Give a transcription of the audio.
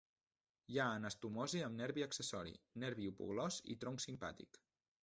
Hi ha anastomosi amb nervi accessori, nervi hipoglòs i tronc simpàtic.